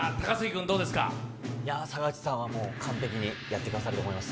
坂口さんは、もう完璧にやってくださると思います。